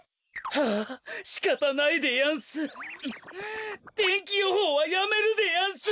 はあしかたないでやんす天気予報はやめるでやんす。